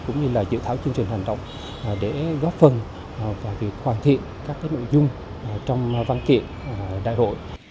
cũng như dự thảo chương trình hành động để góp phần và hoàn thiện các nội dung trong văn kiện đại hội